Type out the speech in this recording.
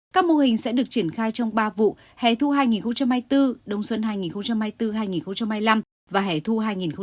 các mô hình sẽ được triển khai trong ba vụ hẻ thu hai nghìn hai mươi bốn đông xuân hai nghìn hai mươi bốn hai nghìn hai mươi năm và hẻ thu hai nghìn hai mươi bốn